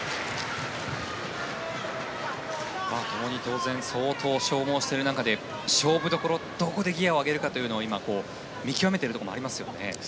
ともに当然相当消耗している中で勝負どころ、どこでギアを上げるのかというところを今、見極めているところもありますよね。